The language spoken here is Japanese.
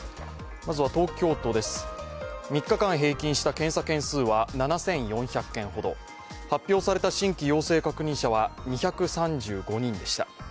まずは東京都です、３日間平均した検査件数は７４００件ほど、発表された新規陽性確認者は２３５人でした。